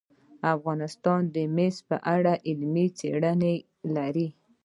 افغانستان د مس په اړه علمي څېړنې لري.